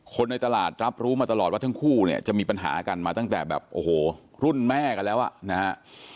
ในตลาดรับรู้มาตลอดว่าทั้งคู่เนี่ยจะมีปัญหากันมาตั้งแต่แบบโอ้โหรุ่นแม่กันแล้วอ่ะนะฮะ